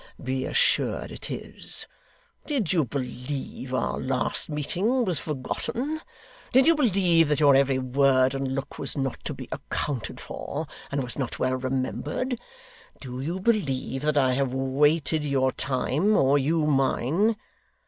Be assured it is! Did you believe our last meeting was forgotten? Did you believe that your every word and look was not to be accounted for, and was not well remembered? Do you believe that I have waited your time, or you mine?